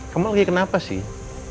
kamu lagi kenapa sih